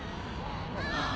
ああ。